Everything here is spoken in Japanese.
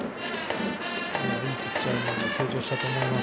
いいピッチャーに成長したと思います。